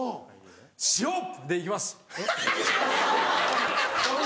塩！で行きます。